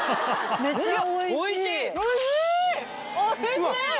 めっちゃおいしい。